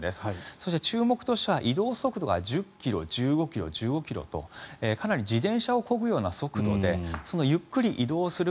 そして注目としては移動速度が１０ｋｍ、１５ｋｍ、１５ｋｍとかなり自転車をこぐような速度でそのゆっくり移動する